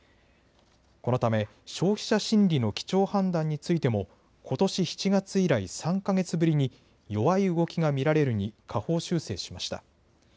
このため消費者心理の基調判断についてもことし７月以来、３か月ぶりに弱い動きが見られるに下方修正しました。